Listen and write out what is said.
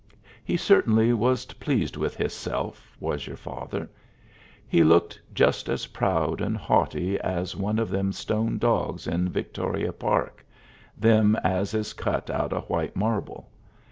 He certainly was pleased with hisself, was your father. He looked just as proud and haughty as one of them stone dogs in Victoria Park them as is cut out of white marble.